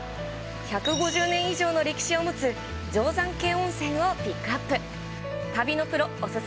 １５０年以上の歴史を持つ、定山渓温泉をピックアップ。